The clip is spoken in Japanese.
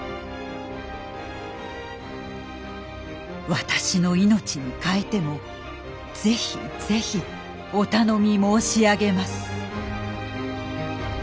「私の命に代えても是非是非お頼み申し上げます」。